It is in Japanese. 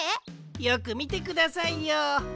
よくみてくださいよ。